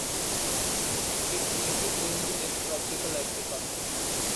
Its native range is Tropical Africa.